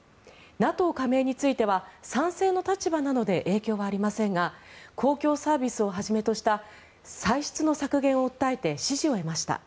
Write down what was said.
ＮＡＴＯ加盟については賛成の立場なので影響はありませんが公共サービスをはじめとした歳出の削減を訴えて支持を得ました。